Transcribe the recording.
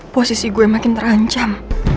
posisi gue makin terancam